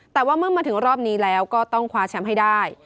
แต่ว่าเมื่อมาถึงรอบนี้แล้วก็ต้องคว้าแชมป์ให้ได้